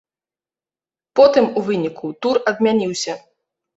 Потым, у выніку, тур адмяніўся.